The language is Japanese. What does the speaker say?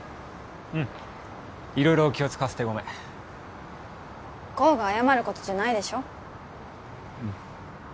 うん色々気を使わせてごめん功が謝ることじゃないでしょうん